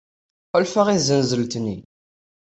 Ḥulfaɣ i tzenzelt-nni.